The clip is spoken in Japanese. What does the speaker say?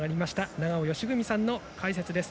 永尾嘉章さんの解説です。